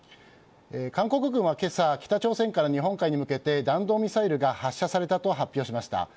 韓国は、けさ北朝鮮が日本海に向けてミサイルが発射されたと発表しました。